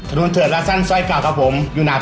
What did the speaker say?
ถนนเถิดละสั้นซอยเก่าครับผม